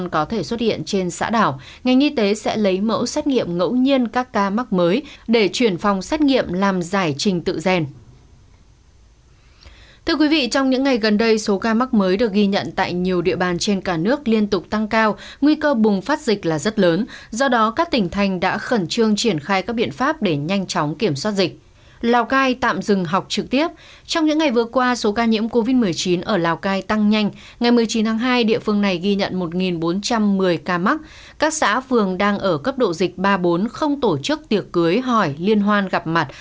các xã phường đang ở cấp độ dịch ba bốn không tổ chức tiệc cưới hỏi liên hoan gặp mặt